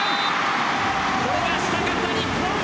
これがしたかった日本！